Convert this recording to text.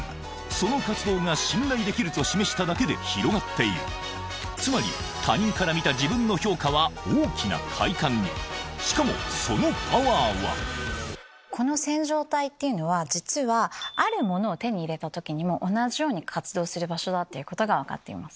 その活動が「信頼できる」と示しただけで広がっているつまりしかもそのパワーはこの線条体っていうのは実はあるものを手に入れた時にも同じように活動する場所だと分かっています。